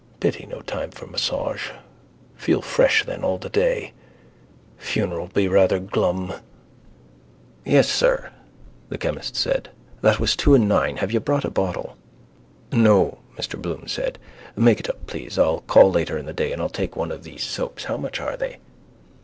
Pity no time for massage. Feel fresh then all the day. Funeral be rather glum. —Yes, sir, the chemist said. That was two and nine. Have you brought a bottle? —No, Mr Bloom said. Make it up, please. I'll call later in the day and I'll take one of these soaps. How much are they?